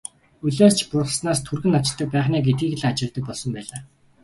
Улиас ч бургаснаас түргэн навчилдаг байх нь ээ гэдгийг л ажигладаг болсон байлаа.